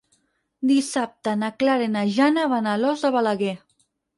Dissabte na Clara i na Jana van a Alòs de Balaguer.